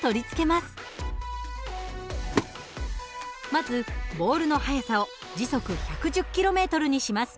まずボールの速さを時速１１０ｋｍにします。